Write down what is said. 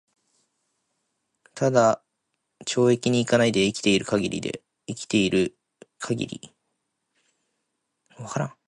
只懲役に行かないで生きて居る許りである。